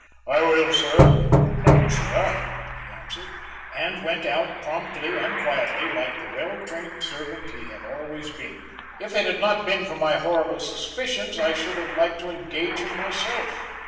"I will, sir. Good night, sir," he answered, and went out promptly and quietly, like the well trained servant he had always been. If it had not been for my horrible suspicions I should have liked to engage him myself.